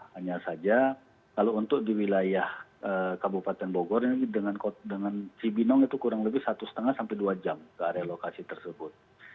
hanya saja kalau untuk di wilayah kabupaten bogor ini dengan cibinong itu kurang lebih satu lima sampai dua jam ke area lokasi tersebut